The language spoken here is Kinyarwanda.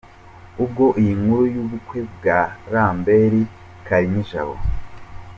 Ubwo iyi nkuru yubukwe bwa Lambert Kalinijabo.